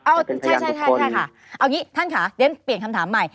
เอาใช่ค่ะเอาอย่างนี้ท่านค่ะเดี๋ยวเปลี่ยนคำถามใหม่